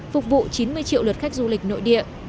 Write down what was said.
phục vụ chín mươi triệu lượt khách du lịch nội địa